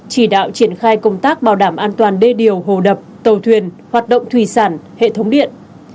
chỉ đạo triển khai công tác bảo đảm an toàn đê điều hồ đập tàu thuyền hoạt động thủy sản hệ thống điện